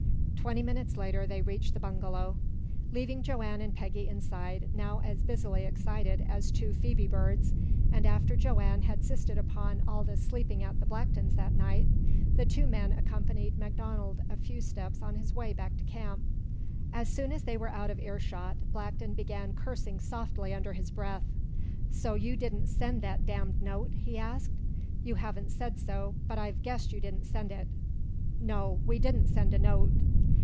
Twenty minutes later they reached the bungalow. Leaving Joanne and Peggy inside, now as busily excited as two phoebe birds, and after Joanne had insisted upon Aldous sleeping at the Blacktons' that night, the two men accompanied MacDonald a few steps on his way back to camp. As soon as they were out of earshot Blackton began cursing softly under his breath. "So you didn't send that damned note?" he asked. "You haven't said so, but I've guessed you didn't send it!" "No, we didn't send a note."